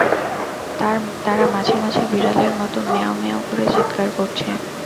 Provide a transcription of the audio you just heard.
তারা মাঝে-মাঝে বিড়ালের মতো ম্যাঁয়াও- ম্যাঁয়াও করে চিৎকার করছে।